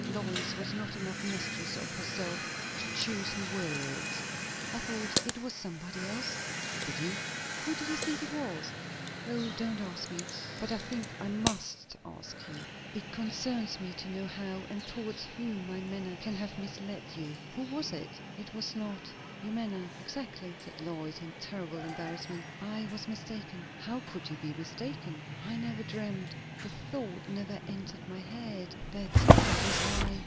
Lois was not enough mistress of herself to choose her words. "I thought it was somebody else." "Did you? Who did you think it was?" "O, don't ask me!" "But I think I must ask you. It concerns me to know how, and towards whom, my manner can have misled you. Who was it?" "It was not your manner exactly," said Lois, in terrible embarrassment. "I was mistaken." "How could you be mistaken?" "I never dreamed the thought never entered my head that it was I."